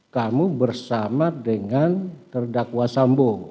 kamu bersama dengan terdakwa sambo